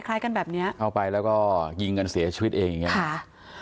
พระเจ้าที่อยู่ในเมืองของพระเจ้า